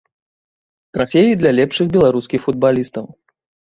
Трафеі для лепшых беларускіх футбалістаў.